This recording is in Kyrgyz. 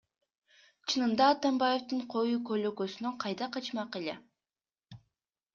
Чынында Атамбаевдин коюу көлөкөсүнөн кайда качмак эле?